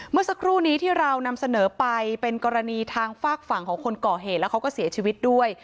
เมื่อสักครู่นี้ที่เรานำเสนอไปเป็นกรณีทางฝากฝั่งของคนก่อเหตุแล้วเขาก็เสียชีวิตด้วย